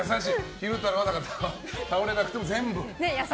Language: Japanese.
昼太郎は倒れなくても全部あげちゃう。